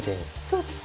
そうです。